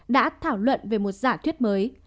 đã thảo luận về một giả thuyết mới